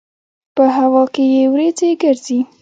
په هوا کې یې وريځې ګرځي.